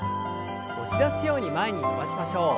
押し出すように前に伸ばしましょう。